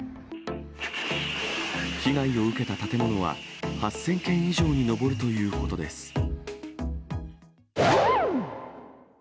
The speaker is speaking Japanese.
被害を受けた建物は、８０００軒以上に上るということです。